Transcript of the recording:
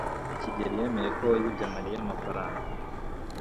kigeri yemeye ko yibye mariya amafaranga